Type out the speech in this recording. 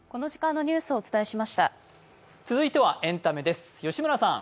続いてはエンタメです。